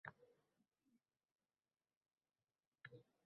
seni izlay, toptab g’ujurlarimni.